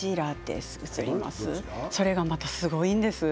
それがまたすごいんです。